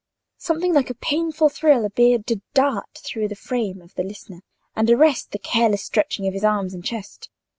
Something like a painful thrill appeared to dart through the frame of the listener, and arrest the careless stretching of his arms and chest.